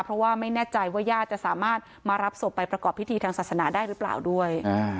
เพราะว่าไม่แน่ใจว่าญาติจะสามารถมารับศพไปประกอบพิธีทางศาสนาได้หรือเปล่าด้วย